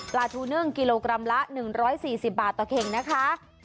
ทูนึ่งกิโลกรัมละ๑๔๐บาทต่อเข่งนะคะ